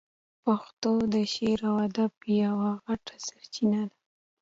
پښتو د شعر او ادب یوه غټه سرچینه ده.